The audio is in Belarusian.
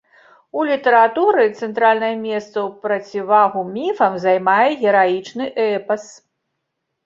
У літаратуры цэнтральнае месца ў процівагу міфам займае гераічны эпас.